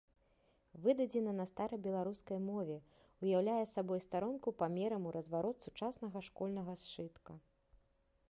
Выдадзена на старабеларускай мове, уяўляе сабой старонку памерам у разварот сучаснага школьнага сшытка.